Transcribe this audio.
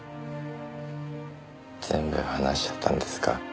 全部話しちゃったんですか？